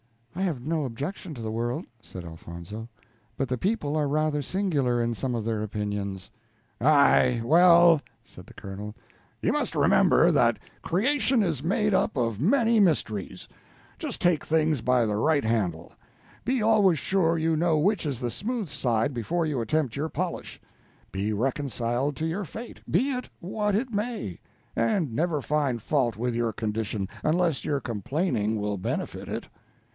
"I have no objection to the world," said Elfonzo, "but the people are rather singular in some of their opinions." "Aye, well," said the Colonel, "you must remember that creation is made up of many mysteries; just take things by the right handle; be always sure you know which is the smooth side before you attempt your polish; be reconciled to your fate, be it what it may; and never find fault with your condition, unless your complaining will benefit it.